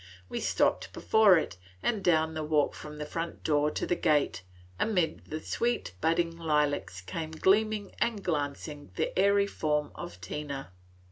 We stopped before it, and down the walk from the front door to the gate, amid the sweet budding lilacs came gleaming and glancing the airy form of Tina.